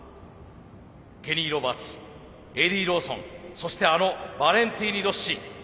ケニー・ロバーツエディ・ローソンそしてあのバレンティーノ・ロッシ。